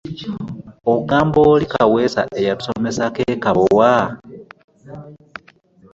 Ogamba oli Kaweesa eyatusomesaako e Kabowa?